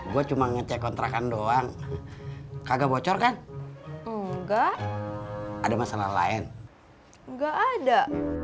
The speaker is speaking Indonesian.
gue cuma ngecek kontrakan doang kagak bocor kan enggak ada masalah lain nggak ada